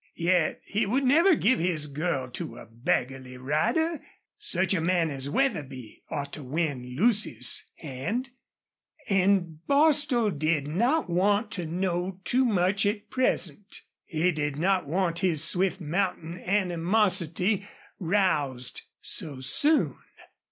Yet he would never give his girl to a beggarly rider. Such a man as Wetherby ought to win Lucy's hand. And Bostil did not want to know too much at present; he did not want his swift mounting animosity roused so soon.